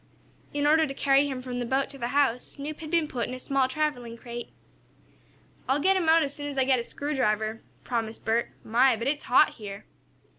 In order to carry him from the boat to the house Snoop had been put in a small traveling crate. "I'll let him out as soon as I get a screwdriver," promised Bert. "My, but it's hot here!"